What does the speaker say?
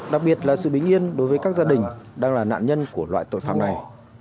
đặc biệt là sự bình yên đối với các gia đình đang là nạn nhân của loại tội phạm này